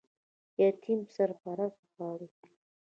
یتیم سرپرست غواړي